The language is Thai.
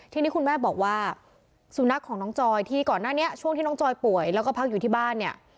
ทีนี้คุณแม่บอกว่าสุนัขของน้องจอยที่ก่อนหน้านี้ช่วงที่น้องจอยป่วยแล้วก็พักอยู่ที่บ้านเนี่ย